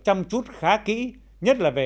chăm chút khá kỹ nhất là về